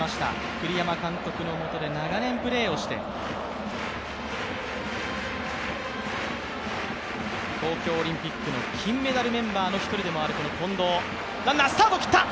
栗山監督のもとで長年プレーをして、東京オリンピックの金メダルメンバーの１人でもある近藤。